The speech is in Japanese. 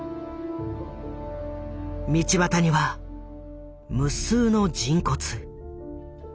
道端には無数の人骨。